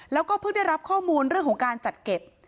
แล้วก็เพิ่งได้รับข้อมูลเรื่องของการจัดเก็บ